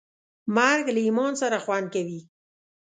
مرګ له ایمان سره خوند کوي.